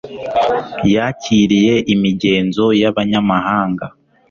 yakiriye imigenzo y'abanyamahanga